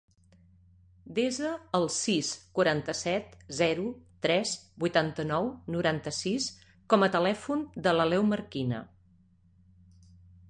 Desa el sis, quaranta-set, zero, tres, vuitanta-nou, noranta-sis com a telèfon de l'Aleu Marquina.